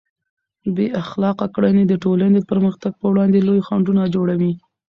بې اخلاقه کړنې د ټولنې د پرمختګ پر وړاندې لوی خنډونه جوړوي.